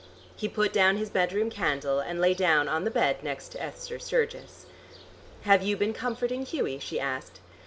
He put down his bedroom candle and lay down on the bed next Esther Sturgis. "Have you been comforting Hughie?" she asked.